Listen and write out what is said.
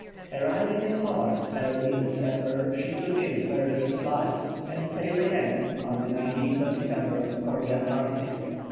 Arriving at Hobart early in December, she took in further supplies, and sailed again, on December 19, for the Antarctic.